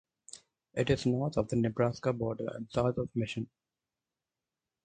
It is north of the Nebraska border and south of Mission.